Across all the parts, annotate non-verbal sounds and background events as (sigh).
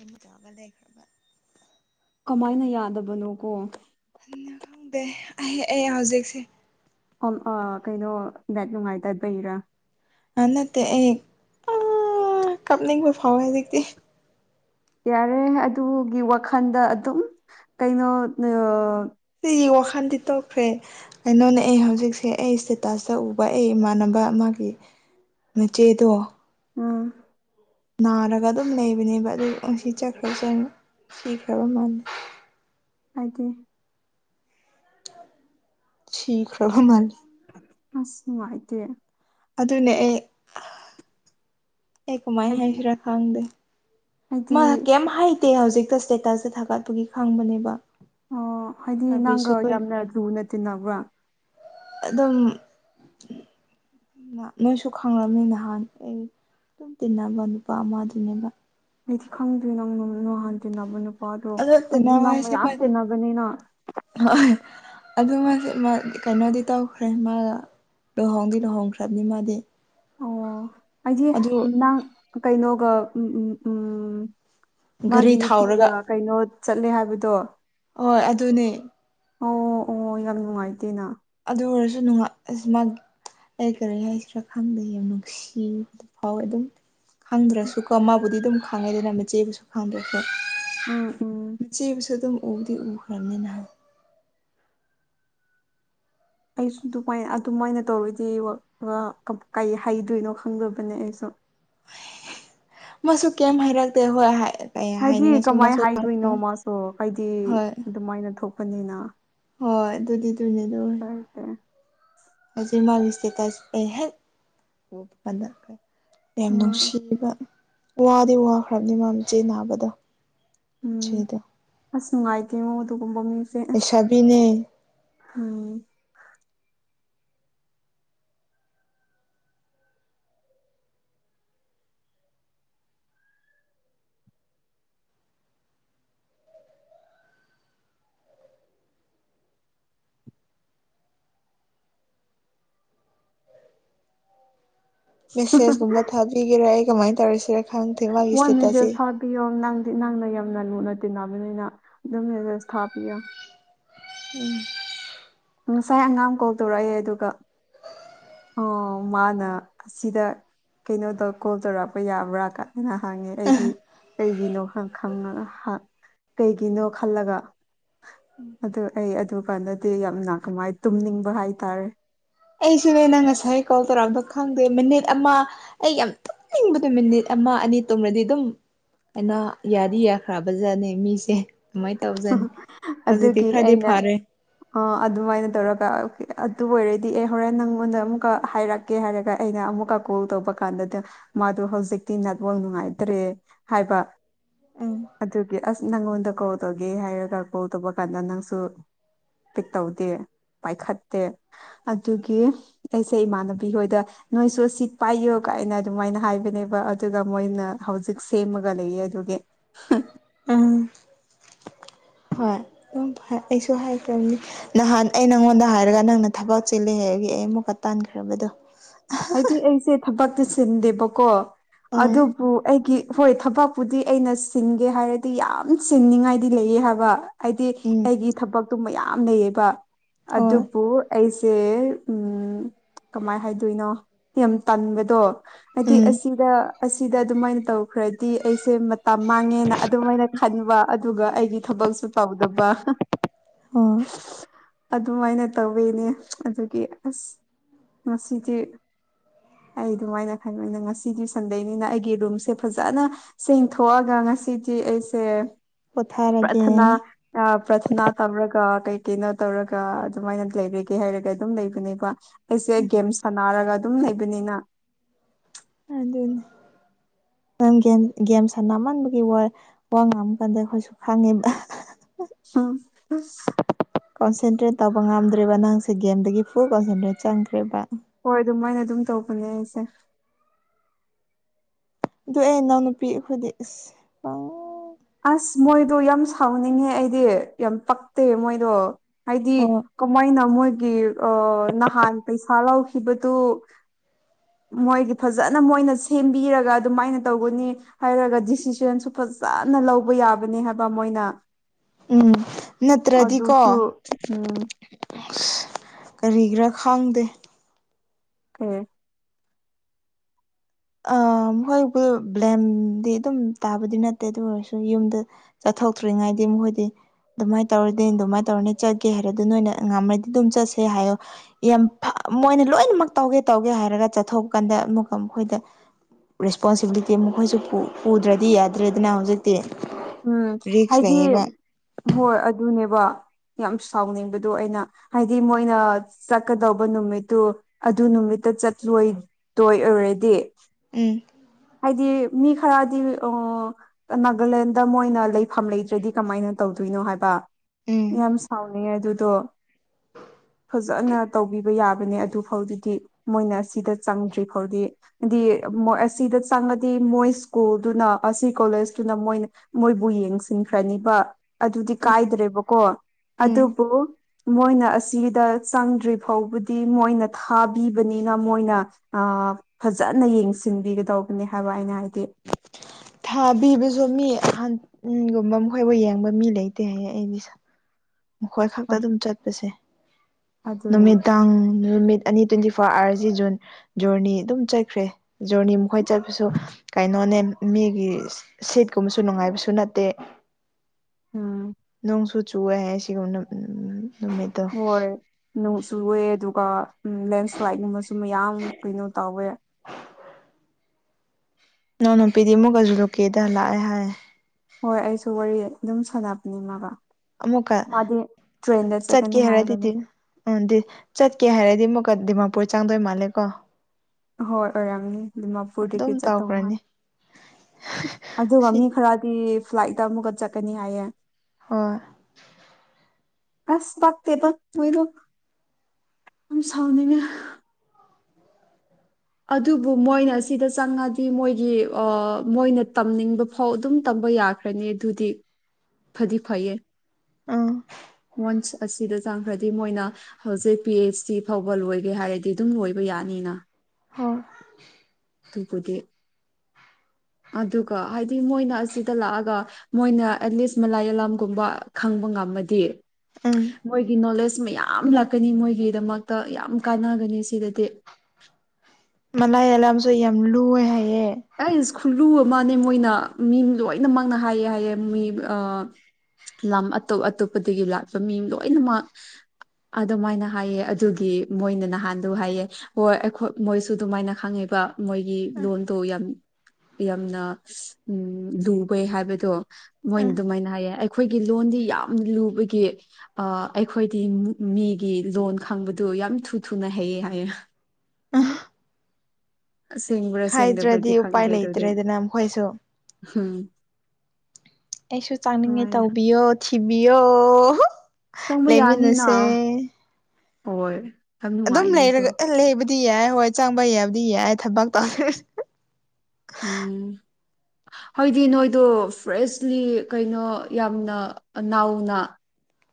ꯦ ꯆꯥꯎꯒ ꯂꯩꯦ ꯈꯔꯕ ꯀꯃꯥꯏꯅ ꯌꯥꯗꯕꯅꯣ ꯀꯣ ꯈꯪꯗꯦ ꯑꯩ ꯑꯩ ꯍꯧꯖꯤꯛꯁꯦ ꯑꯣꯝ ꯀꯩꯅꯣ ꯠ ꯅꯨꯡꯉꯥꯏꯇꯕꯩꯔꯥ ꯅꯠꯇꯦ ꯑꯩ ꯀꯞꯅꯤꯡꯕ ꯐꯥꯎꯋꯦ ꯍꯧꯖꯤꯛꯇꯤ ꯌꯥꯔꯦ ꯑꯗꯨꯒꯤ ꯋꯥꯈꯜꯗ ꯑꯗꯨꯝ ꯀꯩꯅꯣ ꯁꯤꯒꯤ ꯋꯥꯈꯜꯗꯤ ꯇꯣꯛꯈ꯭ꯔꯦ ꯀꯩꯅꯣꯅꯦ ꯑꯩ ꯍꯧꯖꯤꯛꯁꯦ ꯑꯩ ꯏꯁꯇꯦꯇꯥꯁꯇ ꯎꯕ ꯑꯩ ꯏꯃꯥꯟꯅꯕ ꯃꯥꯒꯤ ꯃꯆꯦꯗꯣ ꯎꯝ ꯅꯥꯔꯒ ꯑꯗꯨꯝ ꯂꯩꯕꯅꯦꯕ ꯑꯗꯨ ꯉꯁꯤ ꯆꯠꯈ꯭ꯔꯣ ꯆꯪꯉ ꯁꯤ ꯍꯥꯏꯕ ꯃꯥꯅꯤ ꯍꯥꯏꯦ ꯊꯈ꯭ꯔꯕꯜ ꯑꯁ ꯅꯨꯡꯉꯥꯏꯇꯦ ꯑꯗꯨꯅꯦ ꯑꯩ ꯑꯩ ꯀꯃꯥꯏ ꯍꯥꯏꯕꯁꯤꯔꯥ ꯈꯪꯗꯦ ꯍꯥꯏꯗꯤ ꯃꯥ ꯀꯩꯝ ꯍꯥꯏꯩꯇꯦ ꯍꯧꯖꯤꯛꯇ ꯏꯁꯇꯦꯇꯁꯁꯦ ꯊꯥꯒꯠꯄꯒꯤ ꯈꯪꯕꯅꯦꯕ ꯑꯣ ꯍꯥꯏꯗꯤ ꯁꯥꯔꯚꯤꯁꯁꯨ ꯅꯪꯒ ꯌꯥꯝꯅ ꯂꯨꯅ ꯇꯤꯟꯅꯕ꯭ꯔꯥ ꯑꯗꯨꯗꯝꯝ ꯅꯣꯏꯁꯨ ꯈꯪꯕꯅꯤ ꯅꯍꯥꯟ ꯑꯩ ꯑꯗꯨꯝ ꯇꯤꯟꯅꯕ ꯅꯨꯄꯥ ꯑꯃꯗꯨꯅꯦꯕ ꯑꯩꯗꯤ ꯈꯪꯗꯣꯏ ꯅꯪ ꯅꯨꯍꯟꯗꯣꯏꯅꯕ ꯗꯣ ꯑꯗꯣ ꯍꯧꯖꯤ ꯇꯤꯟꯅꯕ ꯅꯪ ꯍꯥꯏꯁꯦ ꯃꯌꯥꯝ ꯃꯥꯗꯤ ꯇꯤꯟꯅꯕꯅꯤꯅ ꯍꯣꯏ ꯑꯗꯨ ꯀꯩꯅꯣꯗꯤ ꯇꯧꯈ꯭ꯔꯦ ꯃꯥꯒ ꯂꯨꯍꯣꯡꯒꯤꯦ ꯂꯨꯍꯣꯡꯈ꯭ꯔꯕꯅꯤ ꯃꯥꯗꯤ ꯍꯥꯏꯗꯤ ꯑꯗꯨ ꯅꯪ ꯀꯩꯅꯣꯒ ꯎꯝ ꯒꯥꯔꯤ ꯃꯥꯒꯤ ꯅꯨꯄꯤꯒ ꯊꯥꯎꯔꯒ ꯀꯩꯅꯣ ꯆꯠꯂꯦ ꯍꯥꯏꯕꯗꯣ ꯍꯣꯏ ꯑꯗꯨꯅꯦ ꯑꯣ ꯑꯣ ꯌꯥꯝ ꯅꯨꯡꯉꯥꯏꯇꯦꯅ ꯑꯗꯨ ꯑꯣꯏꯔꯁꯨ ꯅꯨꯡꯉꯥꯏ ꯑꯁ ꯃꯥꯒꯤ ꯑꯩ ꯀꯔꯤ ꯍꯥꯏꯁꯤꯔꯥ ꯈꯪꯗꯦ ꯌꯥꯝ ꯅꯨꯡꯁꯤꯕ ꯐꯥꯎꯋꯦ ꯑꯗꯨꯝ ꯈꯪꯗ꯭ꯔꯁꯨꯀꯣ ꯃꯥꯕꯨꯗꯤ ꯑꯗꯨꯝ ꯈꯪꯉꯦꯗꯅ ꯃꯆꯦꯕꯨꯁꯨ ꯈꯪꯗ꯭ꯔꯁꯨ ꯎꯝ ꯎꯝ ꯃꯆꯦꯕꯨꯁꯨ ꯑꯗꯨꯝ ꯎꯕꯗꯤ ꯎꯈ꯭ꯔꯝꯅꯤꯅ ꯑꯩꯁꯨ ꯑꯗꯨꯃꯥꯏ ꯑꯗꯨꯃꯥꯏꯅ ꯇꯧꯔꯗꯤ ꯋꯥ ꯀꯩ ꯍꯩꯗꯣꯏꯅꯣ ꯈꯪꯗꯕꯅꯦ ꯑꯩꯁꯨ ꯃꯁꯨ ꯀꯩꯝ ꯍꯥꯏꯩꯔꯛꯇꯦ ꯍꯣꯏ ꯀꯩ ꯍꯥꯏꯗꯤ ꯍꯥꯏꯅꯤꯡꯉꯁꯨ ꯀꯃꯥꯏꯅ ꯃꯥꯁꯨ ꯍꯥꯏꯗꯣꯏꯅꯣ ꯃꯥꯁꯨ ꯍꯥꯏꯗꯤ ꯍꯣꯏ ꯑꯗꯨꯃꯥꯏꯅ ꯊꯣꯛꯄꯅꯤꯅ ꯍꯣꯏ ꯑꯗꯨꯗꯤ ꯑꯗꯨꯅꯦ ꯑꯗꯨ ꯑꯁꯤ ꯃꯥꯒꯤ ꯏꯁꯇꯦꯇꯁ ꯑꯩ ꯍꯦꯛ ꯎꯕꯗ ꯌꯥꯝ ꯎꯝ ꯅꯨꯡꯁꯤꯕ ꯋꯥꯗꯤ ꯋꯥꯈ꯭ꯔꯕꯅꯤ ꯃꯥ ꯃꯆꯦ ꯅꯥꯕꯗ ꯎꯝ ꯆꯦꯗꫭ ꯑꯁ ꯅꯨꯡꯉꯥꯏꯇꯦ ꯉꫭ ꯑꯗꯨ ꯂꯩꯁꯥꯕꯤꯅꯦ ꯎꯝ ꯃꯦꯁꯦꯁ ꯀꯨꯝꯕ ꯊꯥꯕꯤꯒꯦꯔꯥ ꯑꯩ ꯀꯃꯥꯏꯅ ꯇꯧꯔꯁꯤꯔ ꯈꯪꯗꯦ ꯃꯥꯒꯤ ꯋꯥ ꯏꯁꯇꯦꯇꯁꯁꯦ ꯃꯦꯁꯦꯁ ꯊꯥꯕꯤꯌꯣ ꯅꯪ ꯅꯪꯅ ꯌꯥꯝꯅ ꯂꯨꯅ ꯇꯤꯟꯅꯕꯅꯤꯅ ꯑꯗꯨꯝ ꯃꯦꯁꯦꯁ ꯊꯥꯕꯤꯌꯨ ꯎꯝ ꯉꯁꯥꯏ ꯑꯉꯥꯡ ꯀꯣꯜ ꯇꯧꯔꯛꯑꯦ ꯑꯗꯨꯒ ꯑꯣ ꯃꯥꯅ ꯑꯁꯤꯗ ꯀꯩꯅꯣꯗ ꯀꯣꯜ ꯇꯧꯔꯛꯄ ꯌꯥꯕ꯭ꯔꯥ ꯀꯥꯏꯅ ꯍꯪꯉꯦ ꯑꯩꯗꯤ ꯀꯩꯒꯤꯅꯣ ꯈꯪ ꯈꯪꯉꯒ ꯍ ꯀꯩꯒꯤꯅꯣ ꯈꯜꯂꯒ ꯑꯗꯨ ꯑꯩ ꯑꯗꯨ ꯀꯥꯟꯗꯗꯤ ꯌꯥꯝꯅ ꯀꯃꯥꯏ ꯇꯨꯝꯅꯤꯡꯕ ꯍꯥꯏꯇꯥꯔꯦ ꯑꯩꯁꯨ ꯍꯦꯅꯦ ꯅꯪ ꯉꯁꯥꯏ ꯀꯣꯜ ꯇꯧꯔꯛꯄ ꯈꯪꯗꯦ ꯃꯤꯅꯤꯠ ꯑꯃ ꯑꯩ ꯌꯥꯝ ꯇꯨꯝꯅꯤꯡꯕꯗꯨ ꯃꯤꯅꯤꯠ ꯑꯃ ꯑꯃ ꯑꯅꯤ ꯇꯨꯝꯔꯗꯤ ꯑꯗꯨꯝ ꯀꯩꯅꫭ ꯌꯥꯗꯤ ꯌꯥꯈ꯭ꯔꯕꯖꯥꯠꯅꯦ ꯃꯤꯁꯦ ꯑꯗꯨꯃꯥꯏꯅ ꯇꯧꯖꯥꯅꯤ ꯍꯧꯖꯤꯛꯇꯤ ꯑꯗꯨꯒꯤ ꯈꯔꯗꯤ ꯑꯩꯅ ꯐꯔꯦ ꯑꯥ ꯑꯗꯨꯃꯥꯏꯅ ꯇꯧꯔꯒ ꯑꯗꯨ ꯑꯣꯏꯔꯗꯤ ꯑꯦ ꯍꯣꯔꯦꯟ ꯅꯪꯉꯣꯟꯗ ꯑꯃꯨꯛꯀ ꯍꯥꯏꯔꯛꯀꯦ ꯍꯥꯏꯔꯒ ꯑꯩꯅ ꯑꯃꯨꯛꯀ ꯀꯣꯜ ꯇꯧꯕ ꯀꯥꯟꯗꯗ ꯃꯥꯗꯣ ꯍꯧꯖꯤꯛꯇꯤ ꯅꯠꯋꯥꯛ ꯅꯨꯡꯉꯥꯏꯇ꯭ꯔꯦ ꯍꯥꯏꯕ ꯎꯝ ꯑꯗꯨꯒꯤ ꯑꯁ ꯅꯪꯉꯣꯟꯗ ꯀꯣꯜ ꯇꯧꯒꯦ ꯍꯥꯏꯔꯒ ꯀꯣꯜ ꯇꯧꯕ ꯀꯥꯟꯗ ꯅꯪꯁꯨ ꯄꯤꯛ ꯇꯧꯗꯦ ꯄꯥꯏꯈꯠꯇꯦ ꯑꯗꯨꯒꯤ ꯑꯩꯁꯦ ꯏꯃꯥꯟꯅꯕꯤ ꯍꯣꯏꯗ ꯅꯣꯏꯁꯨ ꯁꯤꯠ ꯄꯥꯏꯌꯣ ꯀꯥꯏꯅ ꯑꯗꯨꯃꯥꯏꯅ ꯍꯥꯏꯕꯅꯦꯕ ꯑꯗꯨꯒ ꯃꯣꯏꯅ ꯍꯧꯖꯤꯛ ꯁꯦꯝꯃꯒ ꯂꯩꯌꯦ ꯑꯗꯨꯒꯤ ꯎꯝ ꯍꯣꯏ ꯑꯗꯨꯝ ꯑꯩꯁꯨ ꯍꯥꯏꯈ꯭ꯔꯕꯅꯤ ꯅꯍꯥꯟ ꯑꯩ ꯅꯪꯉꯣꯟꯗ ꯍꯥꯏꯔꯒ ꯅꯪꯅ ꯊꯕꯛ ꯆꯤꯜꯂꯦ ꯍꯥꯏꯕꯒꯤ ꯑꯩ ꯑꯃꯨꯛꯀ ꯇꯥꯟꯈ꯭ꯔꯕ ꯕꯗꯣ ꯍꯥꯏꯗꯤ ꯑꯩꯁꯦ ꯊꯕꯛꯇ ꯆꯤꯟꯗꯦꯕꯀꯣ ꯑꯥ ꯑꯗꯨꯕꯨ ꯑꯩꯒꯤ ꯍꯣꯏ ꯊꯕꯛꯄꯨꯗꯤ ꯑꯩꯅ ꯁꯤꯟꯒꯦ ꯍꯥꯏꯔꯗꯤ ꯌꯥꯝ ꯆꯅꯤꯡꯉꯥꯏꯗꯤ ꯂꯩꯌꯦ ꯍꯥꯏꯕ ꯍꯥꯏꯗꯤ ꯎꯝ ꯑꯩꯒꯤ ꯊꯕꯛꯇꯨ ꯃꯌꯥꯝ ꯂꯩꯌꯦꯕ ꯍꯣꯏ ꯑꯗꯨꯕꯨ ꯑꯩꯁꯦ ꯎꯝ ꯀꯃꯥꯏ ꯍꯥꯏꯗꯣꯏꯅꯣ ꯌꯥꯝ ꯇꯟꯕꯗꯣ ꯍꯥꯏꯗꯤ ꯎꯝ ꯑꯁꯤꯗ ꯑꯁꯤꯗ ꯑꯗꯨꯃꯥꯏꯅ ꯇꯧꯈ꯭ꯔꯗꯤ ꯑꯩꯁꯦ ꯃꯇꯥꯝ ꯃꯥꯡꯉꯦꯅ ꯑꯗꯨꯃꯥꯏꯅ ꯈꯟꯕ ꯑꯗꯨꯒ ꯑꯩꯒꯤ ꯊꯕꯛ ꯊꯕꯛꯁꯨ ꯇꯧꯗꯕ ꯍꯣꯏ ꯑꯗꯨꯃꯥꯏꯅ ꯇꯧꯋꯤꯅꯤ ꯑꯗꯨꯒꯤ ꯑꯁ ꯉꯁꯤꯗꯤ (inaudible) ꯑꯩ ꯑꯗꯨꯃꯥꯏꯅ ꯈꯟꯕꯅꯤꯅ ꯉꯁꯤꯗꯤ ꯁꯟꯗꯦꯅꯤꯅ ꯑꯩꯒꯤ ꯔꯨꯝꯁꯦ ꯐꯖꯅ ꯁꯦꯡꯊꯣꯛꯑꯒ ꯉꯁꯤ ꯗꯤ ꯑꯩꯁꯦ ꯄꯣꯊꯥꯔꯒꯦ ꯄ꯭ꯔꯥꯊꯅꯥ ꯑꯥ ꯄ꯭ꯔꯊꯅꯥ ꯇꯧꯔꯒ ꯀꯩ ꯀꯩꯅꯣ ꯇꯧꯔꯒ ꯑꯗꯨꯃꯥꯏꯅ ꯂꯩꯔꯒꯦ ꯍꯥꯏꯔꯒ ꯑꯗꯨꯝ ꯂꯩꯕꯅꯦꯕ ꯑꯩꯁꯦ ꯒꯦꯝ ꯁꯥꯟꯅꯔꯒ ꯑꯗꯨꯝ ꯂꯩꯕꯅꯤꯅ ꯑꯗꯨꯅꯦ ꯅꯪꯦꯝ ꯒꯦꯝ ꯁꯅꯃꯟꯕꯒꯤ ꯋꯥ ꯋꯥ ꯉꯥꯡꯝꯃ ꯀꯥꯟꯗ ꯑꯩꯈꯣꯏꯁꯨ ꯈꯪꯉꯦꯕ ꯏꯁꯁ ꯀꯣꯟꯁꯦꯟꯇ꯭ꯔꯦꯠ ꯇꯧꯕ ꯉꯝꯗ꯭ꯔꯦꯕ ꯅꯪꯁꯦ ꯒꯦꯝꯗꯒꯤ ꯐꯨꯜ ꯀꯣꯟꯁꯦꯟꯇ꯭ꯔꯦꯠ ꯆꯪꯈ꯭ꯔꯦꯕ ꯍꯣꯏ ꯑꯗꯨꯃꯥꯏꯅ ꯑꯗꯨꯝ ꯇꯧꯕꯅꯦ ꯑꯩꯁꯦ ꯑꯗꯨ ꯑꯦ ꯏꯅꯥꯎꯅꯨꯄꯤ ꯑꯩꯈꯣꯏꯗꯤ ꯑꯁ ꯄ ꯑꯁ ꯃꯣꯏꯗꯣ ꯌꯥꯝ ꯁꯥꯎꯅꯤꯡꯉꯦ ꯑꯩꯗꯤ ꯌꯥꯝ ꯄꯛꯇꯦ ꯃꯣꯏꯗꯣ ꯍꯥꯏꯗꯤ ꯍꯣꯏ ꯀꯃꯥꯏꯅ ꯃꯣꯏꯒꯤ ꯑ ꯅꯍꯥꯟ ꯄꯩꯁꯥ ꯂꯧꯥꯎꯈꯤꯕꯗꯨ ꯃꯣꯏꯒꯤ ꯐꯖꯅ ꯃꯣꯏꯅ ꯁꯦꯝꯕꯤꯔꯒ ꯑꯗꯨꯃꯥꯏꯅ ꯇꯧꯒꯅꯤ ꯍꯥꯏꯔꯒ ꯗꯤꯁꯤꯖꯟꯁꯨ ꯐꯖ ꯀꯅ ꯂꯧꯕ ꯌꯥꯕꯅꯤ ꯍꯥꯏꯕ ꯃꯣꯏꯅ ꯎꯝ ꯅꯠꯇ꯭ꯔꯗꯤꯀꯣ ꯑꯗꯨꯁꯨ ꯎꯝ ꯀꯔꯤꯒꯔꯥ ꯈꯥꯡꯗꯦ ꯎꯝ ꯑ ꯃꯈꯣꯏꯕꯨ ꯕ꯭ꯂꯦꯝꯗꯤ ꯑꯗꯨꯝ ꯇꯥꯕꯗꯤ ꯅꯠꯇꯦ ꯑꯗꯨ ꯑꯣꯏꯔꯁꯨ ꯌꯨꯝꯗ ꯆꯠꯊ ꯊꯧꯇ꯭ꯔꯤꯉꯥꯏꯗꯤ ꯃꯈꯣꯏꯗꯤ ꯑꯗꯨꯃꯥꯏꯅ ꯇꯧꯔꯗꯤ ꯑꯗꯨꯃꯥꯏꯅ ꯇꯧꯔꯅꯤ ꯆꯠꯀꯦ ꯍꯥꯏꯔ ꯑꯗꯨ ꯅꯣꯏꯅ ꯉꯝꯃꯗꯤ ꯑꯗꯨꯝ ꯆꯠꯁꯦ ꯍꯥꯏꯌꯣ ꯌꯥꯝ ꯃꯣꯏꯅ ꯂꯣꯏꯅꯃꯛ ꯇꯧꯒꯦ ꯇꯧꯒꯦ ꯍꯥꯏꯔꯒ ꯆꯠꯊꯣꯛ ꯀꯥꯟꯗ ꯑꯃꯨꯛꯀ ꯃꯈꯣꯏꯗ ꯔꯦꯁꯄꯣꯟꯁꯤꯕꯤꯂꯤꯇꯤ ꯃꯈꯣꯏꯁꯨ ꯄꯨꯗ꯭ꯔꯗꯤ ꯌꯥꯗ꯭ꯔꯦꯗꯅ ꯍꯧꯖꯤꯛꯇꯤ ꯎꯝ ꯔꯤꯛꯁ ꯍꯥꯏꯗꯤ ꯂꯩꯌꯦꯕ ꯍꯣꯏ ꯑꯗꯨꯅꯦꯕ ꯌꯥꯝ ꯁꯥꯎꯅꯤꯡꯕꯗꯣ ꯑꯩꯅ ꯍꯥꯏꯗꯤ ꯃꯣꯏꯅ ꯆꯠꯀꯗꯧꯕ ꯅꯨꯃꯤꯠꯇꯨ ꯑꯗꯨ ꯅꯨ ꯅꯨꯃꯤꯠꯇ ꯆꯠꯂꯣꯏꯗꯣꯏ ꯑꯣꯏꯔꯗꯤ ꯎꯝ ꯍꯥꯏꯗꯤ ꯃꯤ ꯈꯔꯗꯤ ꯅꯥꯒꯥꯂꯦꯟꯗ ꯃꯣꯏꯅ ꯂꯩꯐꯝ ꯂꯩꯇ꯭ꯔꯗꯤ ꯀꯃꯥꯏꯅ ꯇꯧꯗꯦ ꯀꯅꯣ ꯍꯥꯏꯕ ꯎꯝ ꯌꯥꯝ ꯁꯥꯎꯅꯤꯡꯉꯦ ꯑꯗꯨꯗꯣ (unintelligible) ꯐꯖꯅ ꯇꯧꯕꯤꯕ ꯌꯥꯕꯅꯦ ꯑꯗꯨꯐꯥꯎꯗꯨꯗꯤ ꯃꯣꯏꯅ ꯁꯤꯗ ꯆꯪꯗ꯭ꯔꯤ ꯐꯥꯎꯗꯤ ꯍꯥꯏꯗꯤ ꯑꯁꯤꯗ ꯆꯪꯉꯗꯤ ꯃꯣꯏ ꯁ꯭ꯀꯨꯜꯗꯨꯅ ꯑꯁꯤ ꯀꯣꯂꯦꯖꯇꯨꯅ ꯃꯣꯏꯅ ꯃꯣꯏꯕꯨ ꯌꯦꯡꯁꯤꯟꯈ꯭ꯔꯅꯤꯕ ꯑꯗꯨꯗꯤ ꯀꯥꯏꯗ꯭ꯔꯦꯕꯀꯣ ꯎꯝ ꯑꯗꯨꯕꯨ ꯃꯣꯏꯅ ꯑꯁꯤꯗ ꯆꯪꯗ꯭ꯔꯤ ꯐꯥꯎꯕꯗꯤ ꯃꯣꯏꯅ ꯊꯥꯕꯤꯕꯅꯤꯅ ꯃꯣꯏꯅ ꯑ ꯐꯖꯅ ꯌꯦꯡꯁꯤꯟꯕꯤꯒꯗꯧꯕꯅꯤ ꯍꯥꯏꯕ ꯑꯩꯅ ꯍꯥꯏꯗꯤ ꯊꯥꯕꯤꯕꯁꯨ ꯃꯤ ꯑꯍꯟꯒꯨꯝꯕ ꯃꯈꯣꯏꯕꯨ ꯌꯦꯡꯕ ꯃꯤ ꯂꯩꯇꯦ ꯍꯥꯏꯌꯦ ꯑꯩꯗꯤꯁꯨ ꯃꯈꯣꯏ ꯈꯛꯇ ꯑꯗꯨꯝ ꯆꯠꯄꯁꯦ ꯑꯗꯨꯅꯦ ꯅꯨꯃꯤꯗꯥꯡ ꯅꯨꯃꯤꯠ ꯑꯅꯤ ꯇ꯭ꯋꯦꯟꯇꯤ ꯐꯣꯔ ꯑꯥꯋꯥꯔꯁꯁꯤ ꯖꯨꯟ ꯖꯔꯅꯤ ꯑꯗꯨꯝ ꯆꯠꯈ꯭ꯔꯦ ꯖꯣꯔꯔꯅꯤ ꯃꯈꯣꯏ ꯆꯠꯄꯁꯨ ꯀꯩꯅꯣ ꯃꯅ ꯃꯤꯒꯤ ꯁꯤꯠꯀꯨꯝꯕꯁꯨ ꯅꯨꯡꯉꯥꯏꯕꯁꯨ ꯅꯠꯇꯦ ꯎꯝ ꯅꯣꯡ ꯁꯨ ꯆꯨꯦ ꯁꯤ ꯎ ꯍꯣꯏ ꯅꯣꯡ ꯆꯑꯦ ꯑꯗꯨꯒ ꯎꯝ ꯂꯦꯟꯁ꯭ꯂꯥꯏꯠꯀꯨꯝꯕꯁꯨ ꯃꯌꯥꯝ ꯀꯩꯅꯣ ꯇꯧꯋꯦ ꯅꯪ ꯅꯨꯄꯤꯗꯤ ꯑꯃꯨꯛꯀꯖ ꯂꯨꯀꯦꯗ ꯂꯥꯛꯑꯦ ꯍꯥꯏ ꯍꯣꯏ ꯑꯩꯁꯨ ꯋꯥꯔꯤ ꯑꯗꯨꯝ ꯁꯥꯟꯅꯕꯅꯤꯃꯒ ꯑꯃꯨꯛꯀ ꯆꯠꯀꯦ ꯆꯠꯀꯅꯤ ꯍꯥꯏꯕꯅꯦ ꯍꯥꯏꯔꯗꯤꯗꯤ ꯎꯗꯤ ꯆꯠꯀꯦ ꯍꯥꯏꯔꯗꯤ ꯑꯃꯨꯛ ꯗꯤꯃꯥꯄꯨꯔ ꯆꯥꯡꯗꯣꯏ ꯃꯥꯜꯂꯦ ꯀꯣ ꯍꯣꯏ ꯑꯣꯏꯔꯝꯅꯤ ꯗꯤꯃꯥꯄꯨꯔꯗꯒꯤ ꯆꯠꯇꯧ ꯃꯥ ꯇꯧꯈ꯭ꯔꯅꯤ ꯑꯗꯨꯒ ꯁꯤ ꯃꯤ ꯈꯔꯗꯤ ꯐ꯭ꯂꯥꯏꯠꯇ ꯑꯃꯨꯛꯀ ꯆꯠꯀꯅꯤ ꯍꯥꯏꯌꯦꯦ ꯍꯣꯏ ꯑꯁ ꯄꯥꯛꯇ ꯄꯥꯛ ꯇꯣꯏꯗꯣ ꯌꯥꯝꯝ ꯁꯥꯎꯅꯤꯡꯉ ꯑꯗꯨꯕꯨ ꯃꯣꯏꯅ ꯁꯤꯗ ꯆꯪꯉꯗꯤ ꯃꯣꯏꯒꯤ ꯃꯣꯏꯅ ꯇꯝꯅꯤꯡꯕ ꯐꯥꯎ ꯑꯗꯨꯝ ꯌꯥꯈ꯭ꯔꯅꯤ ꯑꯗꯨꯗꯤ ꯐꯗꯤ ꯐꯩꯌꯦ ꯑ ꯃꯣꯟꯁ ꯑꯁꯤꯗ ꯆꯥꯡꯈ꯭ꯔꯗꯤ ꯃꯣꯏꯅ ꯍꯧꯖꯤꯛ ꯄꯤ ꯑꯩꯆ ꯁꯤ ꯐꯥꯎꯕ ꯂꯣꯏꯒꯦ ꯍꯥꯏꯔꯗꯤ ꯑꯗꯨꯝ ꯂꯣꯏꯕ ꯌꯥꯔꯦ ꯑꯅꯤꯅ ꯍ ꯇꯄꯗꯤ ꯑꯗꯨꯒ ꯍꯥꯏꯗꯤ ꯃꯣꯏꯅ ꯑꯁꯤꯗ ꯂꯥꯛꯑꯒ ꯃꯣꯏꯅ ꯑꯦꯠꯂꯤꯁ ꯃꯂꯥꯂꯥꯒꯨꯝꯕ ꯈꯪꯕ ꯉꯝꯃꯗꯤ ꯎꯝ ꯃꯣꯏꯒꯤ ꯅꯣꯂꯦꯖ ꯃꯌꯥꯝ ꯂꯥꯛꯀꯅꯤ ꯃꯣꯏꯒꯤꯗꯃꯛꯇ ꯌꯥꯝ ꯀꯥꯟꯅꯒꯅꯤ ꯁꯤꯗꯗꯤ ꯃꯅꯥꯏ ꯑꯂꯥꯝꯁꯨ ꯌꯥꯝ ꯂꯨꯋꯦ ꯍꯥꯏꯌꯦꯦ ꯑꯦ ꯏꯁ ꯈꯨꯜꯂꯨ ꯑꯃꯅꯦ ꯃꯣꯏꯅ ꯃꯤ ꯂꯣꯏꯅꯃꯛꯅ ꯍꯥꯏꯌꯦ ꯍꯥꯏꯌꯦꯦ ꯃꯤ ꯂꯝ ꯑꯇꯣꯞ ꯑꯇꯣꯞꯄꯗꯒꯤ ꯂꯥꯛꯄ ꯃꯤ ꯂꯣꯏꯅꯃꯛ ꯑꯗꯨꯃꯥꯏꯅ ꯍꯥꯏꯌꯦꯦ ꯑꯗꯨꯒꯤ ꯃꯣꯏꯅ ꯅꯍꯥꯟꯗꯨ ꯍꯥꯏꯑ ꯍꯣꯏ ꯑꯩꯈꯣꯏ ꯃꯣꯏꯁꯨ ꯑꯗꯨꯃꯥꯏꯅ ꯈꯪꯉꯦ ꯃꯣꯏꯒꯤ ꯎꯝ ꯂꯣꯟꯗꯣ ꯌꯥꯝ ꯌꯥꯝꯅ ꯎ ꯂꯨꯕꯩ ꯍꯥꯏꯕꯗꯣ ꯃꯣꯏꯅ ꯑꯗꯨꯃꯥꯏꯅ ꯍꯥꯏꯌꯦ ꯑꯩꯈꯣꯏꯒꯤ ꯂꯣꯟ ꯌꯥꯝꯅ ꯂꯨꯕꯒꯤ ꯑꯩꯈꯣꯏꯗꯤ ꯃꯤꯒꯤ ꯂꯣꯟ ꯈꯪꯕꯗꯨ ꯌꯥꯝ ꯊꯨ ꯊꯨ ꯅ ꯍꯌꯦ ꯌꯥ ꯎꯝ ꯑꯁꯦꯡꯕ꯭ꯔꯥ ꯁꯦꯡꯗꯕ꯭ꯔꯗꯤ ꯍꯥꯏꯗ꯭ꯔꯗꯤ ꯎꯄꯥꯏ ꯈꯪꯗꯦ ꯑꯗꯨꯗꯤ ꯂꯩꯇ꯭ꯔꯦꯗꯅ ꯃꯈꯣꯏꯁꯨ ꯎꯝ ꯑꯩꯁꯨ ꯆꯥꯅꯤꯡꯉꯤ ꯅꯨꯡꯉꯥꯏꯔꯦ ꯇꯧꯕꯤꯌꯣ ꯊꯤꯕꯤꯌꯣ ꯆꯪꯕ ꯌꯥꯅꯤꯅ ꯂꯩꯃꯤꯟꯅꯁꯦ ꯍꯣꯏ ꯌꯥꯝ ꯑꯗꯨꯝ ꯅꯨꯡꯉꯥꯏꯅꯤ ꯑꯗꯣ ꯂꯩꯔꯒ ꯂꯩ ꯗꯤ ꯌꯥꯏ ꯍꯣꯏ ꯆꯪꯕ ꯌꯥꯕꯗꯤ ꯌꯥꯏ ꯊꯕꯛ ꯇꯧꯔ ꯎꯝ (unintelligible) ꯍꯥꯏꯣꯏꯗꯤ ꯅꯣꯏꯗꯣ ꯐ꯭ꯔꯦꯁꯂꯤ ꯀꯩꯅꯣ ꯌꯥꯝꯅ ꯅꯥꯎꯅ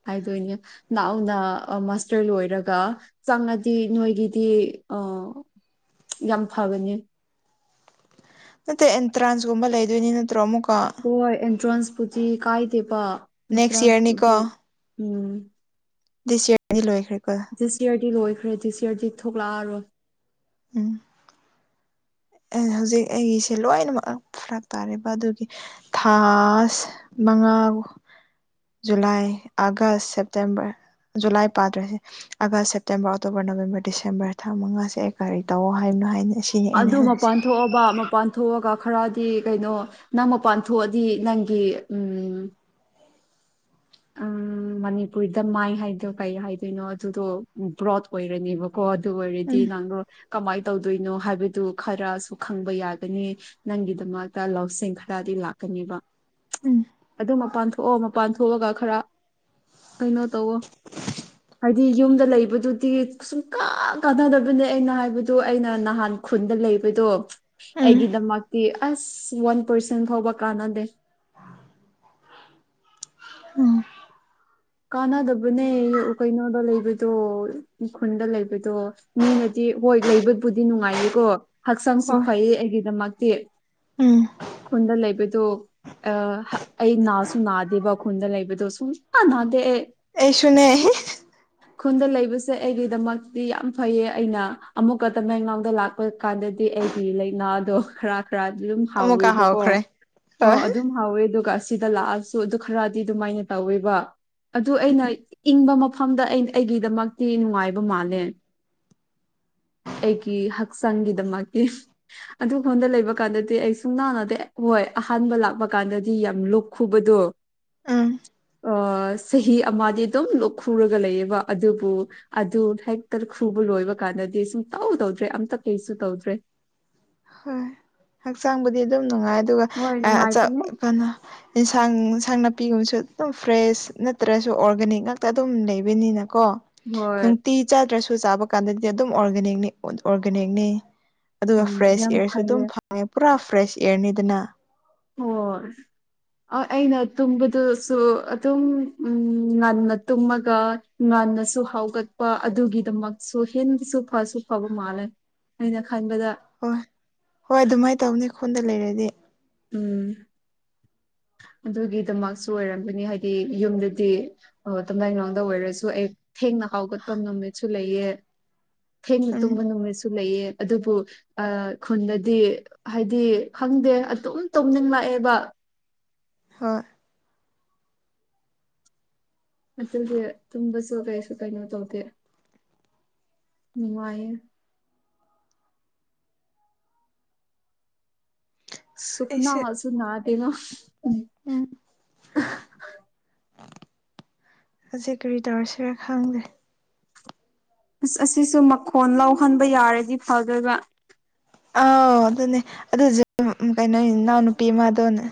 ꯍꯥꯏꯗꯣꯏꯅꯦ ꯅꯅꯥꯍꯎꯅ ꯃꯥꯁꯇꯔ ꯂꯣꯏꯔꯒ ꯆꯪꯉꯗꯤ ꯅꯣꯏꯒꯤꯗꯤ ꯑꯣ ꯌꯥꯝ ꯐꯕꯅꯦ ꯃ ꯑꯦꯟꯇ꯭ꯔꯥꯥꯟꯁꯒꯨꯝꯕ ꯂꯩꯗꯣꯏꯅꯤꯅ ꯅꯠꯇ꯭ꯔꯣ ꯑꯃꯨꯛ ꯍꯣꯏ ꯑꯦꯟꯇ꯭ꯔꯥꯟꯁꯄꯗꯤ ꯀꯥꯏꯗꯦ ꯄ ꯅꯦꯛꯁ ꯑꯦꯟꯇ꯭ꯔꯁ ꯎꯝ ꯗꯤꯁꯤ ꯂꯣꯏ ꯈ ꯖꯤꯁꯤꯌꯥꯔꯗꯤ ꯂꯣꯏꯈ꯭ꯔꯦ ꯖꯤꯁꯤ ꯁꯤꯌꯥꯔꯗꯤ ꯊꯣꯛꯂꯛꯑꯔꯣꯏ ꯎꯝ ꯍꯧꯖꯤꯛ ꯑꯩꯒꯤꯁꯦ ꯂꯣꯏꯅꯃꯛ ꯐꯔꯛ ꯇꯥꯔꯦꯔꯤꯕ ꯑꯗꯨꯒꯤ ꯊꯥꯁꯉꯥ ꯃꯉꯥ ꯖꯨꯂꯥꯏ ꯑꯥꯒꯁ ꯁꯦꯞꯇꯦꯝꯕꯔ ꯖꯨꯂꯥꯏ ꯄꯥꯗ꯭ꯔꯁꯦ August September October November December ꯊꯥ ꯃꯉꯥꯁꯦ ꯑꯩ ꯀꯔꯤ ꯇꯧꯋ ꯍꯥꯏꯕꯅꯣ ꯍꯥꯏꯅ ꯁꯤꯅꯦꯑꯅꯍ ꯄꯥꯟ ꯊꯣꯛꯣꯛꯑꯕ ꯃꯄꯥꯟ ꯊꯣꯛꯑꯒ ꯈꯔꯗꯤ ꯀꯩꯅꯣ ꯅꯪ ꯃꯄꯥꯟ ꯊꯣꯛꯑꯗꯤ ꯅꯪꯒꯤ ꯎꯝ (inaudible) ꯎ ꯃꯅꯤꯄꯨꯔꯗ ꯃꯥꯏ ꯍꯥꯏꯗꯣꯏꯣ ꯀꯩ ꯍꯥꯏꯗꯣꯏꯅꯣ ꯑꯗꯨꯗꯣ ꯕ꯭ꯔꯣꯗ ꯑꯣꯏꯔꯅꯦꯕꯀꯣ ꯕꯗꯤ ꯎꯝ ꯅꯪꯣ ꯀꯃꯥꯏꯅ ꯇꯧꯗꯣꯏꯅꯣ ꯍꯥꯏꯕꯗꯨ ꯈꯔꯁꯨ ꯈꯪꯕ ꯌꯥꯒꯅꯤ ꯅꯪꯒꯤꯗꯃꯛꯇ ꯂꯧꯁꯤꯡ ꯈꯔꯗꯤ ꯂꯥꯛꯀꯅꯤꯕ ꯎꯝ ꯑꯗꯨ ꯃꯄꯥꯟ ꯊꯣꯛꯑꯣ ꯃꯄꯥꯟ ꯊꯣꯛꯂꯒ ꯈꯔ ꯀꯩꯅꯣ ꯇꯧꯋꯣ ꯍꯥꯏꯗꯤ ꯌꯨꯝꯗ ꯂꯩꯕꯗꯨꯗꯤ ꯁꯨꯡ ꯀ ꯀꯥꯟꯅꯗꯕꯅꯦ ꯑꯩꯅ ꯍꯥꯏꯕꯗꯨ ꯑꯩꯅ ꯅꯍꯥꯟ ꯈꯨꯟꯗ ꯂꯩꯕꯗꯣ ꯎꯝ ꯑꯩꯒꯤꯗꯃꯛꯇꯤ ꯑꯁ ꯋꯥꯟ ꯄꯔꯁꯦꯟ ꯐꯥꯎꯕ ꯀꯥꯟꯅꯗꯦ (inaudible) ꯎꯝ ꯀꯥꯟꯅꯗꯕꯅꯦ ꯀꯩꯅꯣꯗ ꯂꯩꯕꯗꯣ ꯈꯨꯟꯗ ꯂꯩꯕꯗꯣ ꯃꯤꯅꯗꯤ ꯍꯣꯏ ꯂꯩꯕꯕꯨꯗꯤ ꯅꯨꯡꯉꯥꯏꯌꯦꯀꯣ ꯍꯛꯆꯥꯡꯁꯨ ꯍꯣꯏ ꯐꯩꯌꯦ ꯑꯩꯒꯤꯗꯃꯛꯇꯤ ꯎꯝ ꯈꯨꯟꯗ ꯂꯩꯕꯗꯨꯣ ꯑ ꯑꯩ ꯅꯥꯁꯨ ꯅꯥꯗꯦꯕꯈꯟꯗ ꯂꯩꯕꯗꯣ ꯁꯨꯝ ꯥꯟ ꯑꯩꯁꯨꯅꯦ ꯈꯨꯟꯗ ꯂꯩꯕꯁꯦ ꯑꯩꯒꯤꯗꯃꯛꯇꯤ ꯌꯥꯝ ꯐꯩꯌꯦ ꯑꯩꯅ ꯑꯃꯨꯛꯀ ꯇꯃꯦꯡꯂꯥꯡꯗ ꯂꯥꯛꯄ ꯀꯥꯟꯗꯗꯤ ꯑꯩꯒꯤ ꯂꯥꯏꯅꯥꯗꯣ ꯈꯔ ꯑꯗꯨꯝ ꯑꯃꯨꯛꯀ ꯍꯥꯎꯋꯦꯕꯀꯣ ꯍꯥꯎꯈ꯭ꯔꯦ ꯑꯣ ꯍꯣꯏ ꯑꯗꯨꯝ ꯍꯥꯎꯋꯦ ꯑꯗꯨꯒ ꯁꯤꯗ ꯂꯥꯛꯑꯁꯨ ꯑꯗꯨ ꯈꯔꯗꯤ ꯑꯗꯨꯃꯥꯏꯅ ꯇꯧꯋꯦꯕ ꯑꯗꯨ ꯑꯩꯅ ꯏꯪꯕ ꯃꯐꯝꯗ ꯑꯩꯒꯤꯗꯃꯛꯇꯤ ꯅꯨꯡꯉꯥꯏꯕ ꯃꯥꯜꯂꯦ ꯎꯝ ꯑꯩꯒꯤ ꯍꯛꯆꯥꯡꯒꯤꯗꯃꯛꯇ ꯑꯗꯨ ꯑꯩꯉꯣꯟꯗ ꯂꯩꯕ ꯀꯥꯟꯗꯗꯤ ꯑꯩ ꯁꯨꯝ ꯅꯥꯟꯅꯗ ꯍꯣꯏ ꯑꯍꯥꯟꯕ ꯂꯥꯛꯄ ꯀꯥꯟꯗꯗꯤ ꯌꯥꯝ ꯂꯨꯞꯣꯛ ꯈꯨꯕꯗꯣ ꯑꯝ ꯑꯣ ꯆꯍꯤ ꯑꯃꯗꯤ ꯑꯗꯨꯝ ꯈꯨꯨꯔꯒ ꯂꯩꯌꯦꯕ ꯑꯗꯨꯕꯨ ꯑꯗꯨ ꯍꯦꯛꯇ ꯈꯨꯕ ꯂꯣꯏꯕ ꯀꯥꯟꯗ ꯗꯤ ꯁꯨꯝ ꯇꯧꯗꯧꯗ꯭ꯔꯦ ꯑꯝꯇ ꯀꯩꯁꯨ ꯇꯧꯗ꯭ꯔꯦ ꯍꯣꯏ ꯍꯛꯆꯥꯡꯕꯨꯗꯤ ꯑꯗꯨ ꯅꯨꯡꯉꯥꯏ ꯑꯗꯨꯒ ꯍꯣꯏ ꯅꯨꯡꯉꯥꯏꯕꯅꯦ ꯀꯩꯅ ꯌꯦꯟꯁꯥꯡ ꯏꯟꯁꯥꯡ ꯅꯥꯄꯤꯒꯨꯝꯕꯁꯨ ꯑꯗꯨꯝ ꯐ꯭ꯔꯦꯁ ꯅꯠꯇ꯭ꯔꯁꯨ ꯑꯣꯔꯒꯥꯅꯤꯛ ꯉꯥꯛꯇ ꯑꯗꯨꯝ ꯂꯩꯕꯅꯤꯅ ꯀꯣ ꯍꯣꯏ ꯅꯨꯡꯇꯤ ꯆꯥꯗ꯭ꯔꯁꯨ ꯆꯥꯕ ꯀꯥꯟꯗꯗꯤ ꯑꯗꯨꯝ ꯑꯣꯔꯒꯥꯅꯤꯅꯤ ꯑꯣꯔꯒꯥꯅꯤꯛꯅꯤ ꯑꯗꯨꯒ ꯎꯝ ꯐ꯭ꯔꯦꯁ ꯌꯥꯝ ꯏꯌꯔꯁꯨ ꯑꯗꯨꯝ ꯐꯩꯌꯦ ꯐꯪꯉꯦ ꯄꯨꯔꯥ ꯐ꯭ꯔꯦꯁ ꯏꯌꯔꯅꯤꯗꯅ ꯍ ꯑꯩꯅ ꯇꯨꯝꯕꯗꯨꯁꯨ ꯑꯗꯨꯝ ꯉꯟꯅ ꯇꯨꯝꯃꯒ ꯍꯅꯁꯨ ꯍꯥꯎꯒꯠꯄ ꯑꯗꯨꯒꯤꯗꯃꯛꯁꯨ ꯍꯦꯁꯨ ꯐꯁꯨ ꯐꯕ ꯃꯥꯜꯂꯦ ꯑꯩꯅ ꯈꯟꯕꯗ ꯍꯣꯏ ꯍꯣꯏ ꯑꯗꯨꯃꯥꯏꯅ ꯇꯧꯅꯤ ꯈꯣꯟꯗ ꯂꯩꯔꯗꯤ ꯎꯝ ꯑꯗꯨꯒꯤꯗꯃꯛꯁꯨ ꯑꯣꯏꯔꯝꯒꯅꯤ ꯍꯥꯏꯗꯤ ꯌꯨꯝꯗꯗꯤ ꯇꯝꯂꯂꯥꯡꯗ ꯑꯣꯏꯔꯒ ꯁꯨ ꯑꯦ ꯊꯦꯡꯅ ꯍꯥꯎꯒꯠꯄ ꯅꯨꯃꯤꯠꯁꯨ ꯂꯩꯑ ꯊꯦꯡꯅ ꯎꯝ ꯇꯨꯝꯕ ꯅꯨꯃꯤꯠꯁꯨ ꯂꯩꯑ ꯑꯗꯨꯕꯨ ꯈꯨꯟꯗꯗꯤ ꯍꯥꯏꯗꯤ ꯈꯪꯗꯦ ꯑꯗꯨꯝ ꯇꯨꯝꯅꯤꯡꯂꯛꯑꯦꯕ ꯍꯣꯏ ꯑꯗꯨꯒ ꯇꯨꯝꯕꯁꯨꯣ ꯀꯥꯏꯁꯨ ꯀꯥꯏꯩꯅꯣ ꯇꯧꯗꯦ ꯅꯨꯡꯉꯥꯏ ꯑꯁ ꯁꯨꯛꯅꯥ ꯑꯩꯁꯦ ꯍꯥꯁꯨ ꯅꯇꯅꯣ ꯎꯝ ꯍꯧꯖꯤꯛ ꯀꯔꯤ ꯇꯧꯔꯁꯤꯔ ꯈꯪꯗꯦ ꯑꯁ ꯑꯁꯤꯁꯨ ꯃꯈꯣꯟ ꯂꯧꯍꯟꯕ ꯌꯥꯔꯗꯤ ꯐꯗꯕ ꯑꯥꯎ ꯑꯗꯨꯅꯦ ꯑꯗꯨꯁꯨ ꯀꯩꯅꯣ ꯏꯅꯥꯎ ꯅꯨꯄꯤꯃꯥꯗꯣꯅꯦ